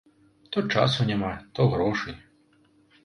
То часу няма, то грошай.